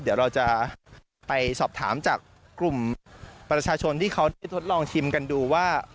เดี๋ยวเราจะไปสอบถามจากกลุ่มประชาชนที่เขาได้ทดลองชิมกันดูว่า